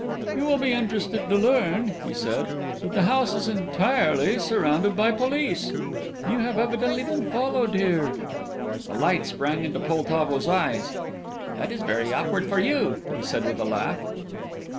"You will be interested to learn," he said, "that the house is entirely surrounded by police. You have evidently been followed here." A light sprang into Poltavo's eyes. "That is very awkward for you," he said, with a laugh.